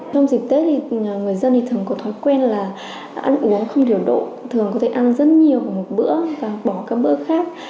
trong dịp tết thì người dân thường có thói quen là ăn uống không điều độ thường có thể ăn rất nhiều một bữa và bỏ các bữa khác